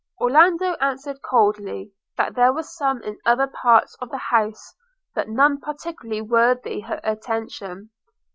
Orlando answered coldly, that there were some in other parts of the house, but none particularly worthy her attention.